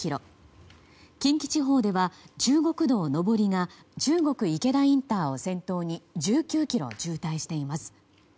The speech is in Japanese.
近畿地方では中国道上りが中国池田ＩＣを先頭に１９ｋｍ渋滞しています。